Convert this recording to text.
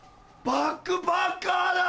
バックパッカーだ！